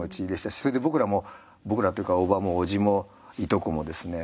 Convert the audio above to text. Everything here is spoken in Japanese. それで僕らも僕らっていうか叔母も叔父もいとこもですね